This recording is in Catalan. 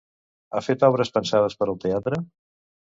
Ha fet obres pensades per al teatre?